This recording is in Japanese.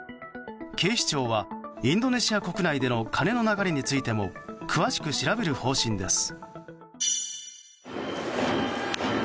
警視庁はインドネシア国内での金の流れについても詳しく調べる方針です。